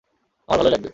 আমার ভালই লাগবে।